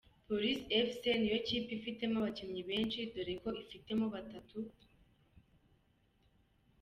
Police Fc ni yo kipe ifitemo abakinnyi benshi dore ko ifitemo batatu.